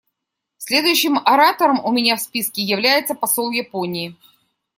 Следующим оратором у меня в списке является посол Японии.